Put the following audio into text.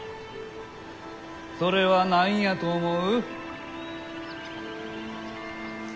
それは何やと思う？